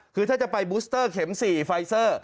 คือถ้าจะไปบูสเตอร์เข็ม๔ไฟเซอร์